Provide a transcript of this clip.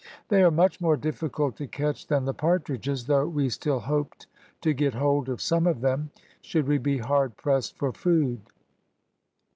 They are much more difficult to catch than the partridges, though we still hoped to get hold of some of them, should we be hard pressed for food.